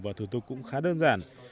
và thủ tục cũng khá đơn giản